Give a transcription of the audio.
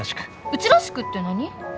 うちらしくって何？